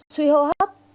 suy hô hấp